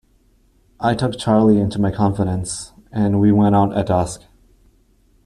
I took Charley into my confidence, and we went out at dusk.